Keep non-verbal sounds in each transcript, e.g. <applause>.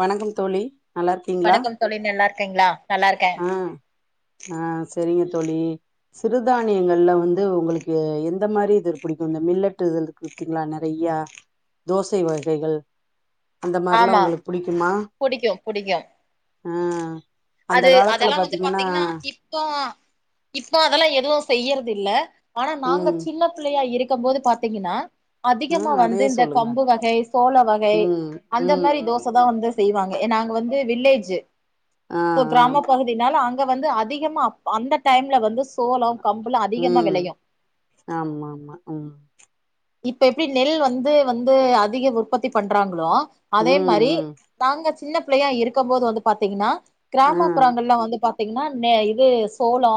வணக்கம் தோழி. நல்லா இருக்கீங்களா வணக்கம் தோழி நல்லா இருக்கீங்களா? நல்லா இரு ஆ ஆ ஆ செரிங்க தோழி. சிறுதானியங்கள்ல வந்து உங்களுக்கு எந்த மாரி இது புடிக்கு? இந்த மில்லட்டு இது இருக்கு பாத்தீங்களா நெறையா தோசை வகைகள் அந்த மார்லா ஆமா ஒங்களுக் புடிக்குமா புடிக்கு புடிக்கு ஆ அந்த அது காலத்துல அதல்லா வந்து பாத்தீங்கன்னா பாத்தீங்கனா இப்போ இப்பொ அதெல்லா எதுவு செய்யறதில்ல ஆனா நாங்க ம் சின்ன பிள்ளையா இருக்கம் போது பாத்தீங்கன்னா அதிகமா ம் வந்து அதயே இந்த சொல்லுங்க கம்பு வகை சோள வகை ம் அந்த ம் மாரி ம் தோச தா வந்து செய்வாங்க எ நாங்க வந் து வில்லேஜு ஆ சோ ஆ கிராம பகுதினால அங் க வந்து அதிகமா அப் அந்த டைம்ல வந்து சோளம் கம்புலா அதிகமா ம் விளையு ஆமாமா ம் இப்ப எப்டி நெல் வந்து வந்து அதிக உற்பத்தி பண்றாங்களோ அதே ம் மாரி ம் நாங்க சின்ன பிள்ளையா இருக்கம்போது வந்து பாத்திங்கன்னா ஆ கிராமப்புறங்கள்ல வந்து பாத் திங்னா நெ இது சோளொ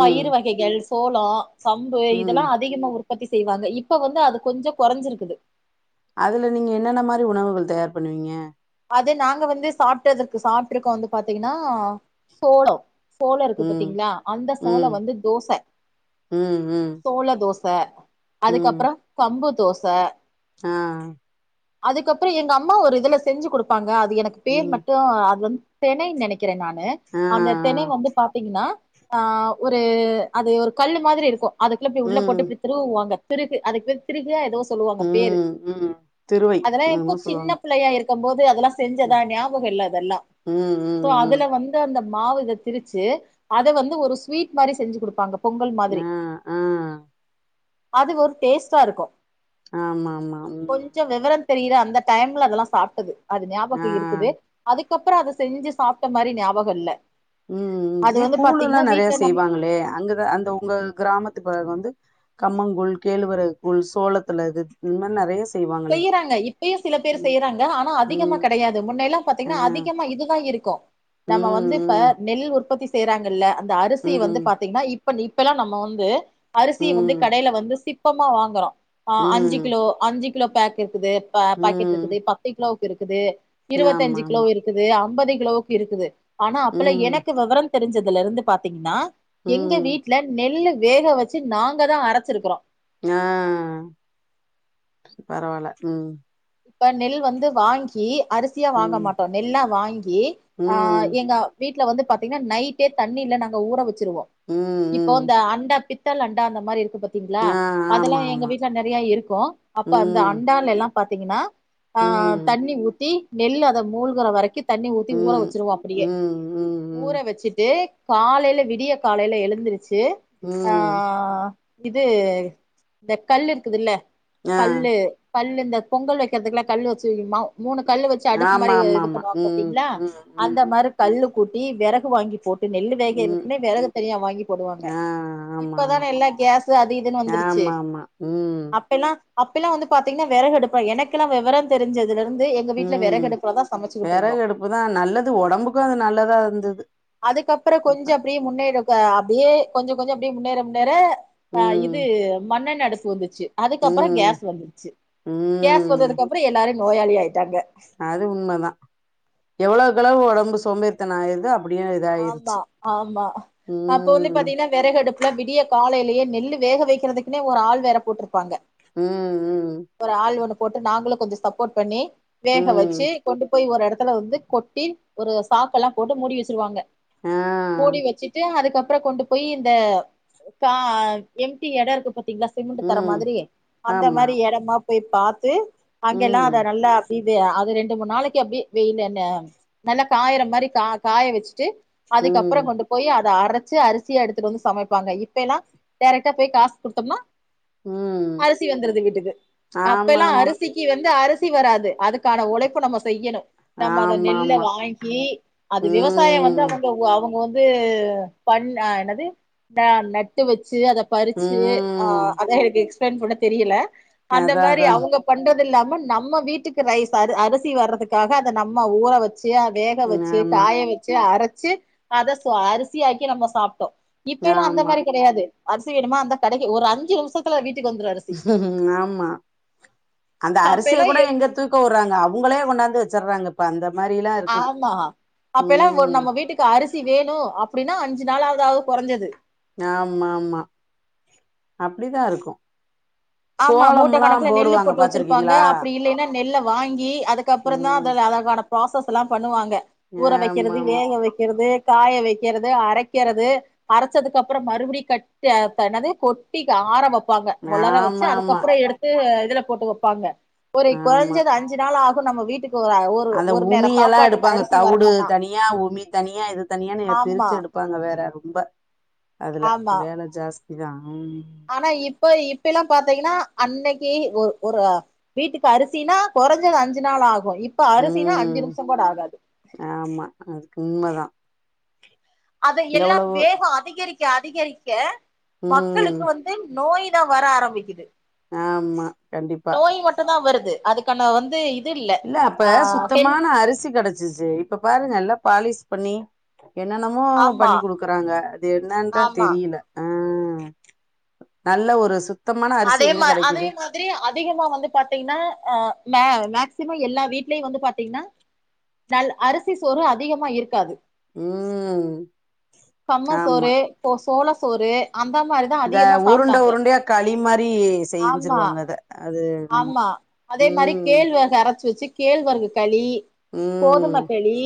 ம் பயிர் வகைகள் சோளொ கம்பு ம் இதெல்லா அதிகமா உற் பத்தி செய்வாங்க இப்ப வந்து அது கொஞ்சொ கொறஞ்சுருக்குது அதுல நீங்க என்னென்ன மாரி உணவுகள் தயார் பண்ணுவீங்க அது நாங்க வந்து சாப்டதுக்கு சாப்ட்ருக்கோ வந்து பாத்தீங்கனா சோளொ சோள இருக்கு ம் பாத்தீங்ளா அந்த சோள ம் வந்து தோச ம் ம் சோள தோ ச ம் அதுக்கப்றம் கம்புத் தோச ஆ அதுக்கப்றொ எங்கம்மா ஒரு இதுல செஞ்சு குடுப்பாங்க அ து எனக்கு பேர் ம் மட்டு அது வந் தெனை நெனை கிறே நானு ஆ ஆ அந்த தெனை வந்து பாத்தீங்கனா ஆ ஒரு அது ஒரு கல்லு மாதிரி இருக்கு அதுக்குள்ள இப்டி உள்ள ம் போட்டுப்டி திருவுவாங்க திருகு அதுக் பேரு திருகு எதோ சொல்லுவாங்க பேரு ம் ம் திருவை அதெல்லா எப்போ என்னமோ சின்ன சொல்லுவாங்க பிள்ளையா இருக் கம்போது அதுலா செஞ்சதா ம் ஞாபக இல்ல அதெல்லா ம் சோ ம் ம் அதுல வந்து அந்த மாவு இத திரிச்சு அத வந்து ஒரு ஸ்வீட் மாரி செஞ்சு குடுப்பாங்க பொங்கல் மாதிரி ஆ ஆ அது ஒரு டேஸ்டாருக்கு ஆமா ஆமா ம் கொஞ்சொ வெவரம் தெரியிற அந் த டைம்ல அதல்லா சாப் டது அது ஞாபக ஆ இருக்குது அதுக் கப்ற அத செஞ்சு சாப்ட்ட மாரி ஞாபகொல்ல ம் ஏ கூழுல்லா நெறைய நம்ம செய்வாங்ளே அங்கத அந்த உங்க கிராமத்து பழக வந்து கம்மங்கூழ் கேழ்வரகு கூழ் சோளத்துல இது இந் மார் நெறைய செய்வாங்களே செய்யிறாங்க இப்பயு சில பேர் ம் செய்யிறாங்க ஆனா அதிகமா ம் கெடையாது முன்னையல்லா ஆ பாத்தீங்னா அதிகமா இதுதா இருக் கு நம்ம வந்து இப்ப ம் நெல் உற்பத்தி செய்ராங்கல்ல இந்த ம் அரிசி வந்து பாத்தீங்னா இப் ப நிப்பைலா நம்ம வந்து அரிசி வந்து ம் கடைல வந்து சி ப்பமா வாங்குறோ ஆ ம் அஞ்சு ம் கிலோ அஞ்சு கிலோ பேக்கு கிது ப ம் பாக்கெட்ருக்குது பத்து கிலோவுக் இருக்குது ஆமா இருவத்தஞ்சு ஆமா கிலோவு இருக்குது அ ம்பது கிலோவுக்கு இருக்குது ஆனா அப்பலா ம் எனக்கு வெவரம் தெரிஞ்ச துல இருந்து பாத்தீங்கன்னா எங்க ம் வீட்ல நெல்லு வேக வச்சு நாங்க தா அரச்சுருக்குறோ ஆ பரவால ம் இப்ப நெல் வந்து வாங்கி அரிசியா வாங்க ம் மாட்டோ நெல்லா வாங் கி ஆ ம் எங்க வீ ட்ல வந்து பாத்தீங்கன்னா நைட்டே தண்ணில நாங்க ஊற வச் சுருவோ. ம் இப்ப ம் இந்த அண்டா பித் தள அண்டா அந்த மாரி இருக்கு பாத் தீங்களா ஆ அதெல்லா ஆமா எங்க ஆமா வீட்ல நெறையா இருக்கு அப்ப அந்த ம் அண்டால எல்லா தீங்கன்னா ஆ ம் தண்ணி ஊத்தி நெல் அத மூழ்கற வரைக்கு தண்ணி ஊத்தி ஊற ம் ம் வச்சிருவோ அப்படியே. ம் ம் ஊற வச்சுட்டு காலைல விடியக் காலைல எழுந்துரு ச்சு ஆ ம் இது இந்த கல் இருக்குதுல்ல ஆ கல்லு கல்லு இந்த பொங்கல் வைக்கிறதுக்கல்லா கல்லு வச்சு <unintelligible> மூணு கல்லு வச்சு அடுக்கு ஆமா மாரி இ ஆமா இது ஆமா பண்ணுவாங்க ம் பாத்தீங்களா? ம் ம் அந்த மாரி கல்லு கூட்டி வெறகு வாங்கி போட் டு நெல்லு ம் வேகறக்குனே வெறக தனியா வாங்கி போடுவாங்க. ஆ ஆமா ஆமா இப்பதானே எல்லா கேஸு அது இதுன்னு வந்துருச்சு. ஆமா ஆமா ம் அப்பல்லா அப்பெல்லா வந்து பாத்தீங்கன்னா வெறகடுப் பு எனக்கெல்லா வெவரந் தெரி்ஞ்சத ம் இருந்தோ வெறகு அடுப்புதா நல்லது ஒடம்புக்கு அது நல்லதா இருந்தது அப்ப. ஆ அப்டியே கொஞ்ச கொஞ்சோ அப்டியே முன்னேற முன்னேற ஆ ம் இது மண்ணென் ண அடுப்பு வந்துச்சு. அதுக்கப்புற ம் கேஸ் வந்துருச்சு. கேஸ் ம் வந்ததுக்கு அப்புறோ எல்லாரு நோயாளியாயி அது உண்மதான எவ்வளொ அந்த அளவு ஒடம்பு சோம்பேறித்தனோ ஆயிருதா அ ஆமா ஆமா அப்போ வந்து ம் பாத்தீங்கனா வெறகு அடுப்புல விடியக்காலை லயே நெல்லு வேகவைக்கிறதுக்குனே ஒரு ஆள் வேற போட்ருப்பாங்க. ம் ம் போட்டு நாங்களு கொஞ்ச சப்போர்ட் பண்ணி வேக ம் வச்சு கொண்டு போய் ஒரு எடத் துல வந்து கொட்டி ஒரு சாக்கு எல்லா போட்டு மூடி வச்சிருவாங்க. ஆ மூடி வெச்சுட்டு அதுக்கப் ப்புறோ கொண்டு போய் இந்த கா எம்டி எட இருக்கு பத் இல்ல சிமெண்ட் தர ம் மாதிரி அந்த ஆமா மாதிரி இடமா போய் பாத்து அங்க எல்லா ம் அத நல்லா இது அது ரெண்டு மூணு நாளைக்கு அப்டியே வெயிலாண்ட நல்லா காயற மாரி கா காய வெச்சுட்டு அதுக்கப்பறோ ம் கொண்டு போயி அ அத அரச்சு அரிசியா எடுத்துத்துட்டு வந்து சமைப்பாங்க இப்ப எல்லா டேரெக்டா போய் காசு குடுத்தம்னா ம் அரிசி வந்துருது வீட்டுக்கு அப்பெல்லா ஆமாமா அரிசிக்கு வந்து அரஸ் சி வராது அதுக் க்கான உழைப்பு நம்ம செய்யணு நம்ம அத நெல்ல ஆமாமா வாங்கி அது விவசாய வந்து ம் அவங் அவங்க வந்து பண் என்னது இந்த நட்டு வச்சு ச்சு அத பறிச்சு ஆ ம் அதா எனக்கு தென்புல தெரியல அந்த அதா மாரி அதா அவங்க பண்றது அது இல்லாம நம்ம வீட்டுக்கு ரைஸ் அர் அரிசி வர்றதுக்காக அத நம்ம ஊற வச் ச்சு அ வேக வச்சு ஆமா காய வச்சு அரச் ச்சு அத அரிசியாக்கி நம்ம சாப்ட்டோ இப்பயெல்லா அந்த ஆமா மாரி கெடையாது அரிசி வேணுமா அந்த கடைக்கு ஒரு அஞ்சு நிம்ஷத்துல வீட் ஆமா அந்த அப்ப அரிசிய எல்லா கூட எ எங்க தூக்கவுறாங்க அவங்களே கொண்டாந்து வெச்சர்றாங்க ஆமா அப்பெல்லா ஒரு ம் நம்ம வீட்டுக்கு அரிசி வேணு அப் அப்டின்னா அஞ்சு நாளாவது ஆகு கொறஞ்சது ஆமா ஆமா அப்படிதான் இருக்கும் ஆமா மூட்ட கணக்குல நெல்லு போட்டு வச்சுருப்பாங்க பாத்துருக்கீங்களா அப்டி இல்லைன்னா நெல்ல வாங்கி தி அதுக்கப்பறந்தா ம் அத அத காணம் ப்ராசஸ் எல்லா பண்ணுவாங்க ஊற வெக்கிறது ஆமாமா வேக வெக்கிறது காய வெக்கிறது அரைக்கிறது அரச்சதுக்கு அப்புறோ மறுபடியு கட்டனது கொட்டி ஆரவப் ப்பாங்க ஒளர வச் ஆமாமா அதுக்கப்புறம் எடுத்து இதுல போட்டு வப்பாங்க ஒரு ஆமா கொறஞ்சது அஞ்சு நாள் ஆ இப்போ நம்ம வீட்டுக் அந்த உமியெல்லா எடுப்பாங்க தவுடு வரணும்னா தனியா உமி தனியா இது தனியானு ஆமா பிரிச்சு எடுப்பாங்க வேற யாருக் ரொம்ப அதுல ஆமா வேல ஜாஸ் இதா ஆனா இப்ப இப்பெல்லா பாத்தைங்கனா அன்னைக்கு ஒ ஒரு வீட்டுக்கு அரிசினா கொறஞ்சது அஞ்சு நாள் ஆகு கு இப்ப அரிசினா அஞ்சு ம் நிம்ஷங் கூட ஆகாது ஆமா அதுக்கு உண்மதா அத எல்லாம் எவ்வளவோ வேகம் அதிகரிக்க அதிகரிக்க ம் மக்களுக்கு வந்து நோய் லா வர ஆரம்பிக்குது ஆமா கண்டிப்பா ந வந்து இப் இல்ல அப்ப சுத்தமான அரிசி கெடச்சா ஞ்சு சேரி இப்ப பாருங்க எல்லா பாலிஸ் பண்ணி என்னெனமோ ஆமா பண்ணி் கொடுக்குறாங்க அது என்னன்னுதான் ஆமா தெரியல உம் நல்ல ஒரு சு அதே மாதிரி அதே மாதிரி அதிகமா வந்து பாத்தீங்கன்னா அஹ் மே மேக்சிமம் எல்லா வீட்லயும் வந்து பாார்த்தீங்கன்னா நல் அரிசி சோறு அதிகமா இருக்காது உம் ஆமா கோழசோறு இந்த உருண்ட உருண்டையா களி மாதிரி மாரி ஆமா செஞ்சிருவாங்க அத அது என்னமோ ஆமா அதே மாதிரி ம் கேழ்வரகு அரைச்சு வச்சு கேழ்வரகு களி ம் கோதுமைக்களி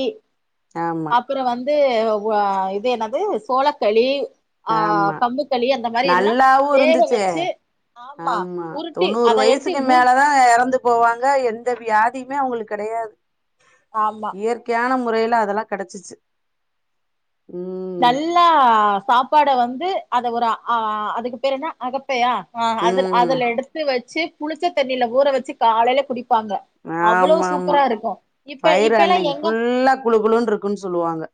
ஆமா அப்புறம் வந்து வ இது என்னது சோளக்களி ஆஹ் ஆமா கம்புக்களி அந்த மாதிரி எல்லாம் நல்லாவு வேக இருந்துச்சு வச்சு ஆமா உருட்டி அத என் க்கு மேலே தான் இறந்து போவாங்க எந்த வியாதியுமே அவங்களுக்கு கிடையாது ஆமா இயற்கையான முறையில அதெல்லாம் கிடச்சிச்சு நல்லா சாப்பாடை வந்து வந்து அத ஆஹ ஒரு அதுக்கு பேரு என்ன அகப்பையா ஆஹ் அது ம் அதுல எடுத்து வச்சு குளிச்ச தண்ணில ஊற வச்சு காலையிலே ஆமா ஆமா இப்ப வயிர் இப்ப எல்லா அன்னைக்கு எங்க ஃபுல்லா குழு குழுனு இருக்குன்னு சொல்லுவாங்க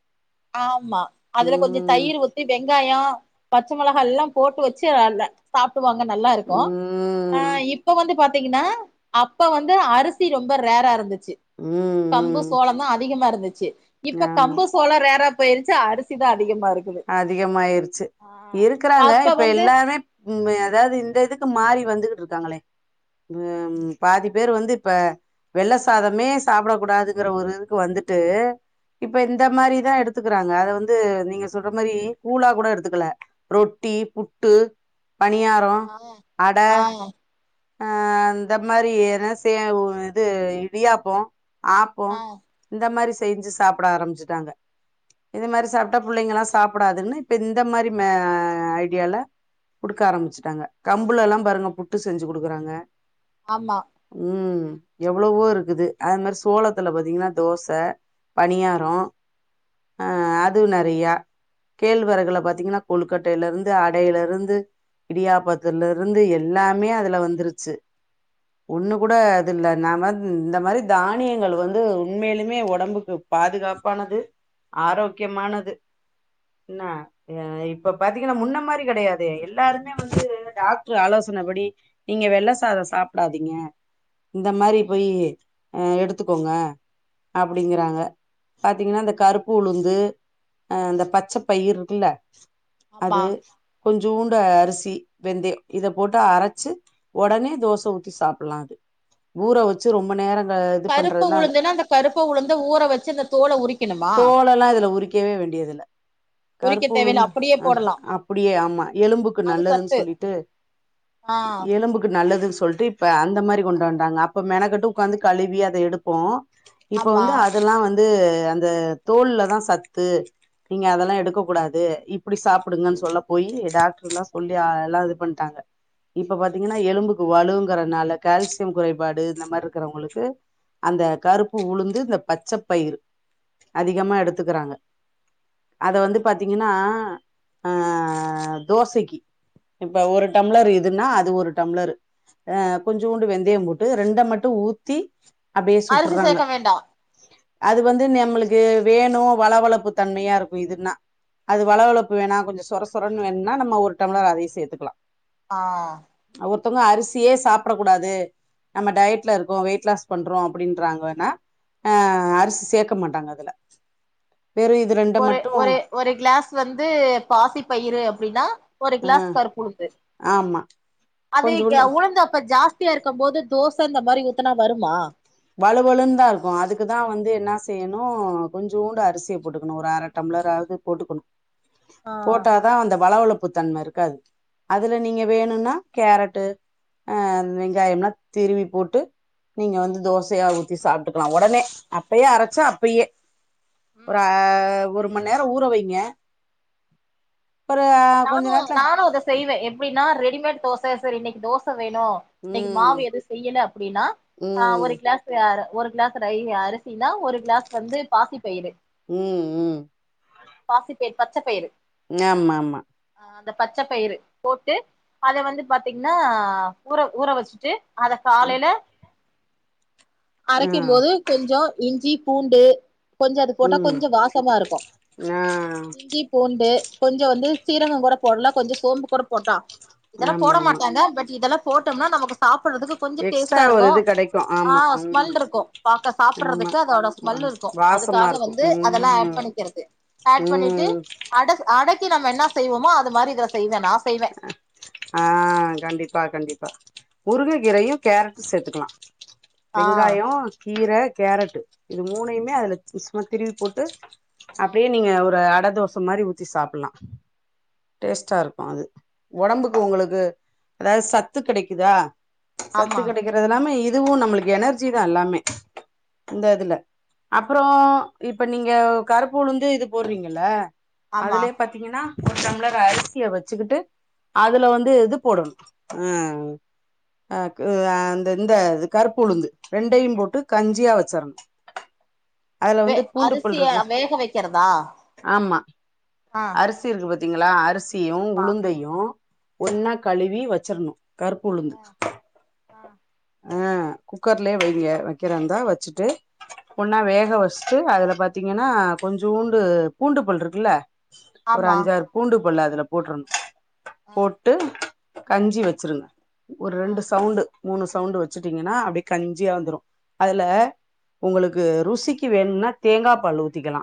ஆமா அதுல கொஞ்சம் ம் தயிர் ஊத்திங்க வெங்காயம் பச்சை மிளகாய் எல்லாம் போட்டு வச்சுத்தான் வாங்க நல்லா இருக்கும் ம் இப்ப வந்து பார்த்த ங்கன்னா அப்ப வந்து அரிசி ரொம்ப ரேரா இருந்துச்ச சு ம் கம்பு ம் சோளம் தா அதிகமா இருந் துச்சு இப்ப ஆமா கம்பு சோள ரே ரா போயிருச்சு அரிசி தா அ அதிகமாயிருச்சு இருக்குறாங்க அப்ப இப்ப வந்து எல்லாமேப் ம் எதாது இந்த இதுக்கு மாறி வந்துகிட் ட்ருக்காங்களே ம் பாதி பேர் வந்து இப்ப வெள்ள சாதமே சாப்புடக் கூடாதுங்கிற ஒரு இதுக்கு வந்துட்டு இப்ப இந்த மாரிதா எடுத்துக்குறாங்க அத வந்து நீங்க சொல்ற மாரி கூழா கூட எடுத்துக்கல ரொட்டி புட்டு பனியாரொ ஆ அட ஆ அ அந்த மாரி எனா செ ஒ இது இடியாப்பொ ஆப்போ ஆ இந்த மாரி செஞ்சு சாப்புட ஆரம்பிச்சுட்டாங்க இது மாரி சாப்ட்டா புள்ளைங்கல்லா சாப்டாதுன்னு இப்ப இந்த மாரி மெ ஐடியால குடுக்க ஆரம்பிச்சுட்டாங்க கம்புலல்லா ம் பாருங்க புட்டு செ ஞ்சு குடுக்குறாங்க ஆமா ம் எவ்ளவோ இருக்குது அது மாரி சோளத்துல பாத்தீங்கனா தோச பணியாரொ அ அதுவ் நெறையா கேழ்வரகுல பாத்தீங்கன்னா கொழுக்கட்டைலருந்து அடைலருந்து இடியாப்பத்துலெருந்து எல்லா மே அதுல வந்துருச்சு ஒன்னு கூட அதுல்ல நாம இந்த மாரி தானியங்கள் வந்து உண்மைலுமே ஒடம்புக்கு பாதுகாப்பானது ஆரோக்கியமானது என்ன இப்ப பாத்தீங்கனா முன்ன மாரி கெடையாது எல்லாருமே வந்து டாக்டர் ஆலோசன படி நீங்க வெள்ள சாதொ சாப்டாதீங்க இந்த மாரி போய் ம் அ எடுத்துக்கோங்க அப்புடிங்குறாங்க பாத்தீங்கனா இந்த கருப்பு உளுந்து அ இந்த பச்ச பயிர்ருக்குல்ல ஆமா அது கொஞ் சூண்டு அரிசி வெந்தய இத போட்டு அர ச்சு ஒடனே தோச ஊத்தி சாப்புல்லா அது ஊற வச்சு ரொம்ப நேர கருப்ப உளுந்துன்னா இந்த கருப்ப உளுந்த ஊற வச்சு இந்த தோல உரிக்கணுமா க்கவே வேண்டியதுல்ல உரிக்க கருப்பு தேவையில்ல உளுந்து அப்படியே அஹ் போடலா அப்புடியே ஆமா எலும்புக்கு அது நல்லதுன் சத்து சொல்லிட்டு ஆ எலும்புக்கு நல்லது சொல்ட்டு இப்ப அந்த மாரி கொண்டு வன்டாங்க அப்ப மெனக்கட்டு உக்காந்து கழுவி அத எடுப்போ இப்ப ஆமா வந்து அதெல்லா வந் து அந்த தோல்ல தா சத்து நீங்க ம் அதெல்லா எடுக்க கூடாது அப்புடி சாப்புடுங்கன் சொல்ல போயி டாக் ட்ருல்லா சொல்லி எல்லா இது பண் டாங்க இப்ப பாத்தீங்கன்னா எலும்புக்கு வலுங்கறனால கால்சியம் குறைபாடு இந்த மாரி இருக்கிறவங்களுக்கு அந்த கருப்பு உளுந்து இந்த பச்ச பயிறு அதிகமா எடுத்துக்கறாங்க. அத வந்து பாத்தீங்கன்னா ஆ தோசைக்கி இப்ப ஒரு டம்ளர் இ துன்னா அது ஒரு டம்ளரு ஆ கொஞ்சோண்டு வெந்தயம் போட்டு ரெண்ட மட்டு ஊத்தி அப்டியே அரிசி சுட்டுறாங்க சேக்க வேண்டா? அது வந்து நம்மளுக்கு வேணு வழவழப்பு தன்மையா இருக்கு இதுன்னா அது வழவழப்பு வேணா கொஞ்ச சொரசொரன்னு வேணுன்னா நம்ம ஒரு டம்ளர் அதையு சேத்துக்கலா. ஆ த்தவுங்க அரிசியே சாப்படக்கூடாது நம்ம டய்ட்ல இருக்கோ வெயிட் லாஸ் பண்றோ அப்டின்றாங்க வேண்ணா ஆ அரிசி சேக் க மாட்டாங்க அதுல. வெறு இது ரெண்ட ஒரு மட்டு ஒரு ஒரு கிளாஸ் வந்து பாசி பயிறு அப்டின்னா ஒரு ஆ கிளாஸ் கருப்பு உளுந்து ஆமா அது கா கொஞ்சோண்டு உளுந்து அப்ப ஜாஸ்தியா இருக்கும் போது தோச இந்த மாரி ஊத்துனா வருமா? வழுவழுன்னுதா இருக்கு அதுக்குதா வந்து என்னா செய்யணு கொஞ்சோண்டு அரிசிய போட்டுக்கணு ஒரு அர டம்ளராவது போட்டுக்கணு. ஆ போட்டாதா அந்த வழவழப் புத்தன்ம இருக்காது. அதுல நீங்க வேணுன்னா கேரட்டு ஆ வெங்காயம்லா திருவி போட்டு நீங்க வந்து தோச ஊத்தி சாப்ட்டுக்கலா ஒடனே அப்பயே அரைச்சி அப்பயே ஒரு அ ஒரு மணி நேரோ ஊற வைங்க. ஒரு கொஞ்ச நானு நேரத்துல நானு அத செய்வே எப் டினா ரெடிமேட் தோச சரி இன்னக்கி தோச வேணு இன்னக்கி ம் மாவு எது செய்யல அப்படின்னா ஆ ம் ஒரு கிளாஸ் <unintelligible> ஒரு கிளாஸ் ரை அரிசினா ஒரு கிளாஸ் வந்து பாசிப் பயிறு ம் ம் பாசிப் பயிர் பச்சப் பயிறு ஆமா ஆமா ஆ அந்த பச்ச பயிறு போட்டு அத வந்து பாத்தீங்னா ஊற ஊற வச்சுட்டு அத ம் காலைல ஆ அரைக்கும் போது கொஞ்சோ இஞ்சி பூண்டு கொஞ்ச அது போட்டா ம் கொஞ்ச வாசமா இருக்கு. ஆ இஞ்சி பூண்டு கொஞ்ச வந்து சீரகம் கூட போடலா கொஞ்ச சோம்பு கூட போட்டா இதெல்லா போட ஆமா ஆமா மாட்டாங்க பட் இதெல்லா போட்டோம்னா நமக்கு சாப் படறதுக்கு கொஞ்ச எக்ஸ்ட்ரா டேஸ்டா ஒரு இருக்கு. இது கெடைக்கு ஆ ஆமா ம் ஸ்மெல் இருக்கு பாக்க ஆமா சாப்டறதுக்கு அதோட வா ஸ்மெல் இருக்கு. வாசமா அதுக்காக இருக்கு வந்து அதெல்லா ஆட் ம் பண்ணிக்கிறது. ஆட் பண்ணிட்டு ம் அடகு அடைக் கி நம்ம என்னா செய்வோமா அது மாரி இதுல செய்வ நா செய்வே ஆ கண்டிப்பா கண்டிப்பா முருங்க கீரையு கேரட்டு சேத்துக்கலா ஆ வெங்காயோ கீர கேரட்டு இது மூணையுமே அதுல சும்மா திருவி போட்டு ம் அப்டியே நீங்க ஒரு <unintelligible> வட தோச மாரி ஊத்தி சாப்ல்லா டேஸ்ட்டா இருக்கு அது ஒடம்புக்கு உங்களுக்கு அதாவது சத்து கெடைக்குதா சத்து ஆமா கெடைக்குறதில்லாம ஈ இதுவு நம்மளுக்கு எனர்ஜிதா எல்லாமே இந்த இதுல அப்பறோ இப்ப நீங்க கருப்புலுந்து இது போடுவீங்கல்ல ஆமா அதுலயே பாத்தீங்கன்னா ஒரு டம்ளர் அரிசிய வச்சுக்கிட்டு அதுல வந்து இது போடனு ஆ அ அந்த இந்த கருப்பு உளுந்து ரெண்டையும் போட்டு கஞ்சியா வச்சறணு வெ அரிசிய வேக வெக்கிறதா ஆ பாத்திங்களா அரிசி வெந்தயத்தியு ஆமா உளுந்தையு யு ஆ ஒன்னா கழுவி வச் வச்சுரனு கருப்புளுந்து ஆ ஆ அ குக்கர்லயே வெய்ங்க வெக்கிறதா இருந்தா வச்சுட்டு ஒன்னா ம் வேக வர்ஸ் சு அதுல பாத்தீங்கன்னா கொஞ்சூண்டு பூண்டு பல் இருக்குல்ல ஒரு ஆமா அஞ்சாறு பூண்டு பல்ல அதுல போட்றனு ஆ போட்டு கஞ்சி வெச்சுருங்க ஒரு ஆ ரெண்டு சவுண்டு மூணு சவுண்டு வெச்சுட்டீங்கன்னா அப்டியே கஞ்சியா வந்துரு அதுல ம் உங்களுக்கு ருசிக்கு வேன்னா தேங்காப்பால் ஊத்திக்கலா